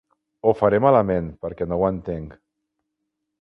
Ho faré malament perquè no ho entenc.